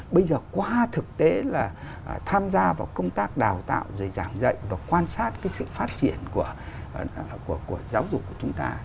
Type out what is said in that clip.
bây giờ qua thực tế là tham gia vào công tác đào tạo rồi giảng dạy và quan sát cái sự phát triển của giáo dục của chúng ta